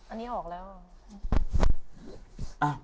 อันนี้ออกแล้ว